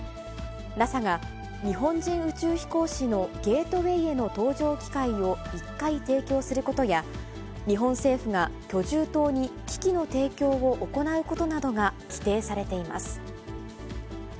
ＮＡＳＡが、日本人宇宙飛行士のゲートウェイへの搭乗機会を１回提供することや、日本政府が居住棟に機器の提供を行うことなどが規定されています。